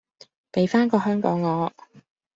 比返個香港我！